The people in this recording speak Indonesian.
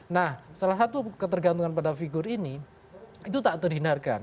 nah salah satu ketergantungan pada figur ini itu tak terhindarkan